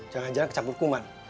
jangan jangan kecampur kuman